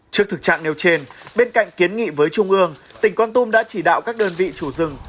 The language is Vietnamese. trước thực trạng nêu trên bên cạnh kiến nghị với trung ương tỉnh con tum đã chỉ đạo các đơn vị chủ rừng